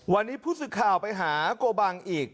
วันนี้ผู้สื่อข่าวไปหาโกบังอีก